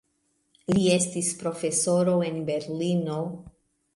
Li estis profesoro en Berlino.